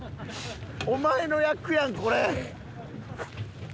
お前の役やんこれ！